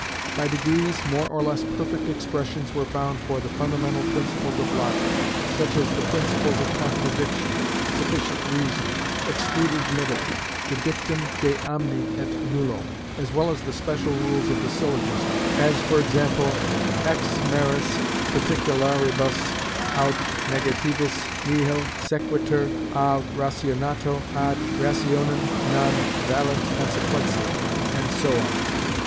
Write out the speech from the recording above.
By degrees, more or less perfect expressions were found for the fundamental principles of logic, such as the principles of contradiction, sufficient reason, excluded middle, the dictum de omni et nullo, as well as the special rules of the syllogism, as for example, ex meris particularibus aut negativis nihil sequitur, a rationato ad rationem non valet consequentia, and so on.